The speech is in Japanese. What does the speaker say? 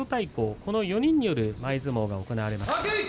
この４人による前相撲が行われました。